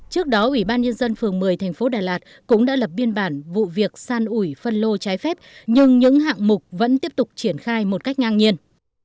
trước đó ủy ban nhân dân phường một mươi thành phố đà lạt cũng đã lập biên bản vụ việc san ủi phân lô trái phép nhưng những hạng mục vẫn tiếp tục triển khai một cách ngang nhiên